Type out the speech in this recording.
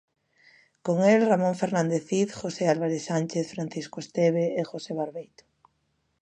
Con el, Ramón Fernández Cid, José Álvarez Sánchez, Francisco Esteve e José Barbeito.